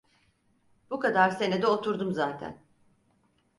Bu kadar sene de oturdum zaten.